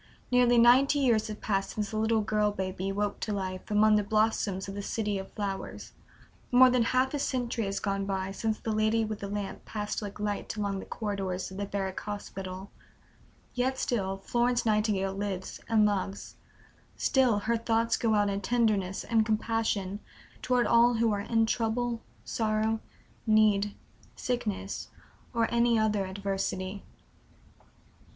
Nearly ninety years have passed since the little girl baby woke to life among the blossoms of the City of Flowers; more than half a century has gone by since the Lady with the Lamp passed like light along the corridors of the Barrack Hospital; yet still Florence Nightingale lives and loves, still her thoughts go out in tenderness and compassion toward all who are "in trouble, sorrow, need, sickness, or any other adversity."